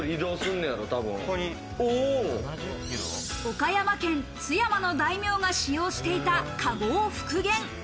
岡山県津山の大名が使用していた駕籠を復元。